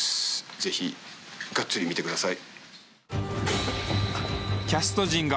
ぜひがっつり見てください。